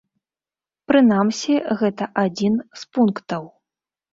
Прынамсі, гэта адзін з пунктаў.